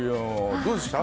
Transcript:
どうでした？